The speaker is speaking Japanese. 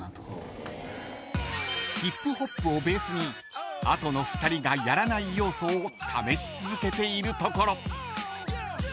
［ヒップホップをベースにあとの２人がやらない要素を試し続けているところ］